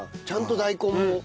ちゃんと大根も。